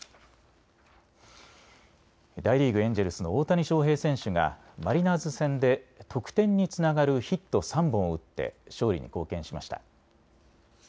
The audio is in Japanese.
大リーグ、エンジェルスの大谷翔平選手がマリナーズ戦で得点につながるヒット３本を打って勝利に貢献しました。